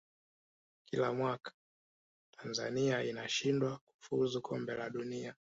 kila mwaka tanzania inashindwa kufuzu kombe la dunia